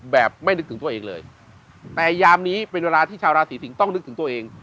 แบบไม่นึกถึงตัวเองเลยแต่ยามนี้เป็นเวลาที่ชาวราศีสิงศ์ต้องนึกถึงตัวเอง